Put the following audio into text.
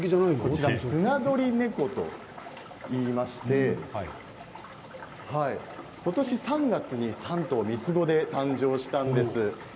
こちらスナドリネコといいまして今年３月に３頭３つ子で誕生したんです。